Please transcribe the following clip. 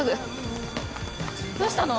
どうしたの？